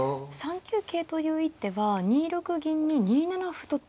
３九桂という一手は２六銀に２七歩と。